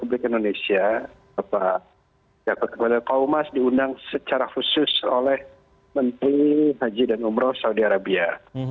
di indonesia ketua ketua kaumas diundang secara khusus oleh menteri haji dan umroh saudi arabia